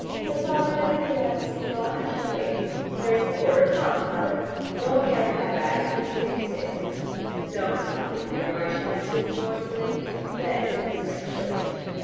Had father better be allowed to sleep on, or shall I wake him? There is a porter: call him, Mother I won't carry my bag even to save you sixpence. But don't tell him we are marchionesses and lords and ladies, because then he will expect a shilling.